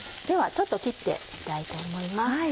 ではちょっと切ってみたいと思います。